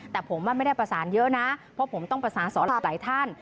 แต่ผมไม่ได้ประสานเยอะนะเพราะผมต้องประสานสอหลับหลายท่าน